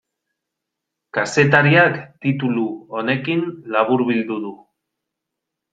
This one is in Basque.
Kazetariak titulu honekin laburbildu du.